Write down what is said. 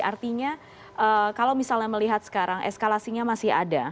artinya kalau misalnya melihat sekarang eskalasinya masih ada